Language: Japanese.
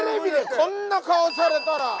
こんな顔されたら。